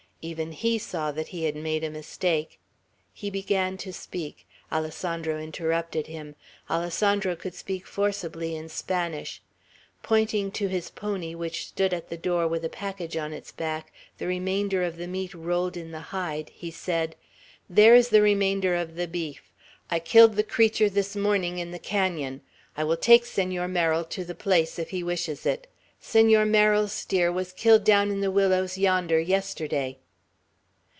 Even he saw that he had made a mistake. He began to speak. Alessandro interrupted him. Alessandro could speak forcibly in Spanish. Pointing to his pony, which stood at the door with a package on its back, the remainder of the meat rolled in the hide, he said: "There is the remainder of the beef. I killed the creature this morning, in the canon. I will take Senor Merrill to the place, if he wishes it. Senor Merrill's steer was killed down in the willows yonder, yesterday."